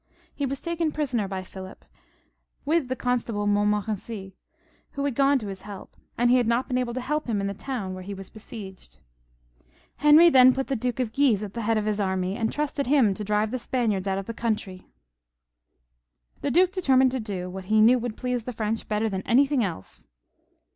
He was taken prisoner by Philip, with the constable Mont morency, who had gone to his help, and had not been able to help him in the town where he was besieged. Y" 260 HENRY IL [CH. Henry then put the Duke of Guise at the head of the army, and trusted to him to drive the Spaniards out of the country. The duke settled to do what he knew would please the French better than anything else.